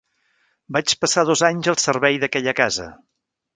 Vaig passar dos anys al servei d'aquella casa.